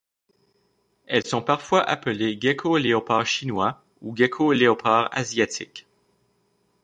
Elles sont parfois appelées geckos léopard chinois ou geckos léopard asiatiques.